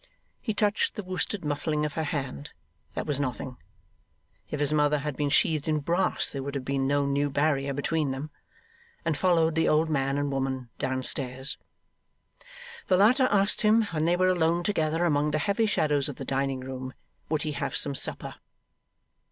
He touched the worsted muffling of her hand that was nothing; if his mother had been sheathed in brass there would have been no new barrier between them and followed the old man and woman down stairs. The latter asked him, when they were alone together among the heavy shadows of the dining room, would he have some supper?